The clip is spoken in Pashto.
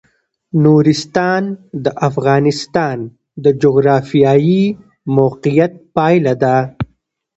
نورستان د افغانستان د جغرافیایي موقیعت پایله ده.